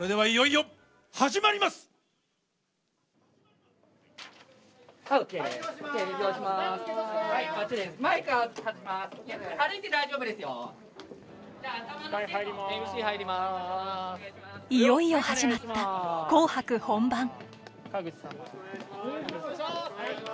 いよいよ始まった「紅白」本番。